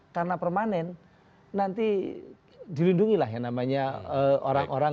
karena permanen nanti dilindungilah yang namanya orang orang